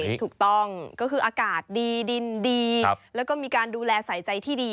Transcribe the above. ถูกต้องก็คืออากาศดีดินดีแล้วก็มีการดูแลใส่ใจที่ดี